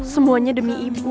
semuanya demi ibu